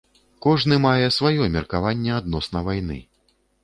Кожны мае сваё меркаванне адносна вайны.